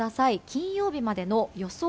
金曜日までの予想